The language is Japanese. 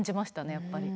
やっぱり。